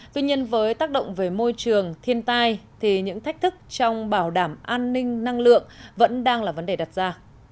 tuy nhiên với tác động về môi trường thiên tai thì những thách thức trong bảo đảm an ninh năng lượng vẫn đang là vấn đề đặt ra